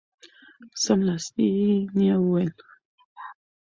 سملاسي یې نیا وویل